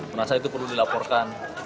menurut saya itu perlu dilaporkan